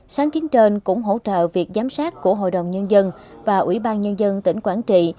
sáng kiến trên cũng hỗ trợ việc giám sát của hội đồng nhân dân và ủy ban nhân dân tỉnh quảng trị